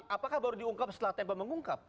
apakah baru diungkap setelah tempo mengungkap